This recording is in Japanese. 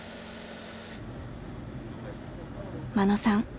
眞野さん